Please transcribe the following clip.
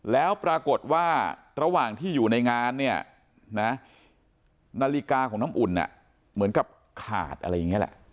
แล้วปรากฏว่าระหว่างที่อยู่ในงานเนี่ยนะนาฬิกาของน้ำอุ่นเหมือนกับขาดอะไรอย่างนี้แหละ